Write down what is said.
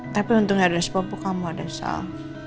tapi untungnya ada sebab bu kamu ada sal